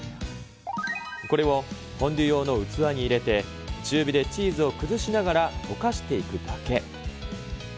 これをフォンデュ用の器に入れて、中火でチーズを崩しながら溶かしていくだけ。